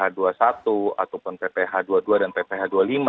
ataupun pph dua puluh dua dan pph dua puluh lima